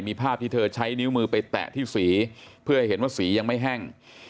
มีภาพที่เธอใช้นิ้วมือไปแตะที่สีเพื่อให้เห็นว่าสียังไม่แห้ง